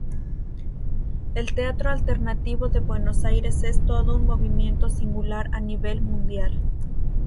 El teatro alternativo de Buenos Aires es todo un movimiento singular a nivel mundial.